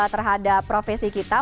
terhadap profesi kita